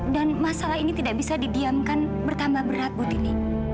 dan masalah ini tidak bisa didiamkan bertambah berat bu tini